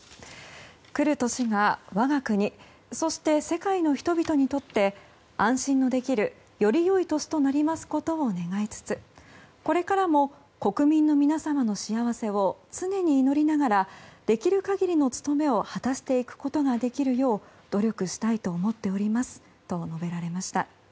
来る年が、我が国そして世界の人々にとって安心のできるより良い年となりますことを願いつつこれからも、国民の皆様の幸せを常に祈りながらできる限りの務めを果たしていくことができるよう努力したいと思っておりますと述べられました。